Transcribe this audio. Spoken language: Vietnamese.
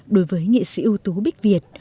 đối với nghệ sĩ ưu tú bích việt